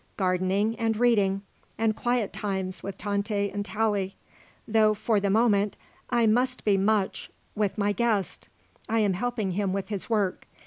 Gardening, and reading; and quiet times with Tante and Tallie. Though, for the moment, I must be much with my guest; I am helping him with his work.